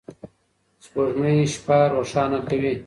سپوږمۍ شپه روښانه کوي.